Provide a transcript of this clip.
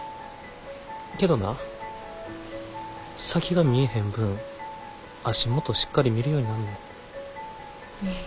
けどな先が見えへん分足元しっかり見るようになんねん。